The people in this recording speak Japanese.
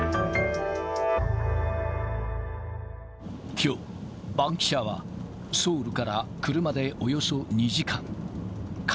きょう、バンキシャは、ソウルから車でおよそ２時間、今、